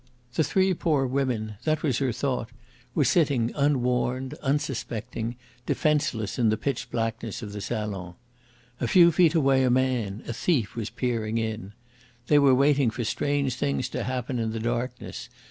The three poor women that was her thought were sitting unwarned, unsuspecting, defenceless in the pitch blackness of the salon. A few feet away a man, a thief, was peering in. They were waiting for strange things to happen in the darkness.